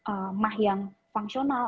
emah yang fungsional